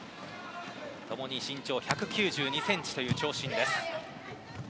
共に身長１９２ｃｍという長身。